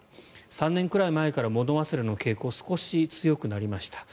３年くらい前から物忘れの傾向少し強くなりました